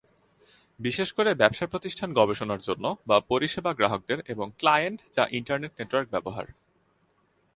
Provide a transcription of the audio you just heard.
বিশেষ করে ব্যবসা-প্রতিষ্ঠান গবেষণার জন্য বা পরিষেবা গ্রাহকদের এবং ক্লায়েন্ট যা ইন্টারনেট নেটওয়ার্ক ব্যবহার।